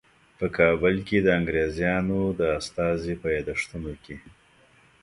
په کابل کې د انګریزانو د استازي په یادښتونو کې.